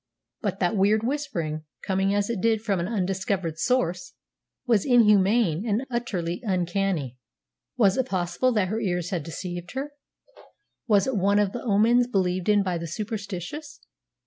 But that weird whispering, coming as it did from an undiscovered source, was inhuman and utterly uncanny. Was it possible that her ears had deceived her? Was it one of the omens believed in by the superstitious?